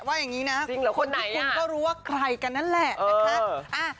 ว่าอย่างนี้นะคนที่คุณก็รู้ว่าใครกันนั่นแหละนะคะ